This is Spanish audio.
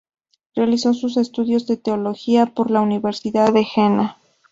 Realizó sus estudios de teología por la Universidad de Jena.